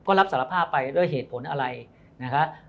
ก็รับสารภาพไปด้วยเหตุผลอะไรนะครับ